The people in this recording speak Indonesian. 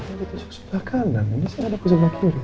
perut kamu kan abis itu kena luka tusuk